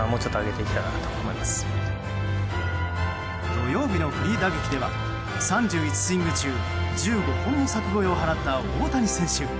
土曜日のフリー打撃では３１スイング中１５本の柵越えを放った大谷選手。